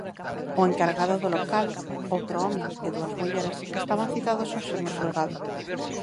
O encargado do local, outro home e dúas mulleres estaban citados hoxe no xulgado.